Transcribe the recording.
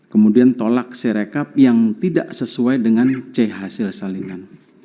kemudian tolak si rekap yang tidak sesuai dengan c hasil salinan